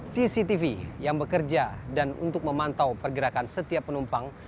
cctv yang bekerja dan untuk memantau pergerakan setiap penumpang